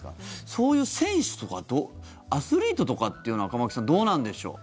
そういう選手とかアスリートとかってのは駒木さん、どうなんでしょう。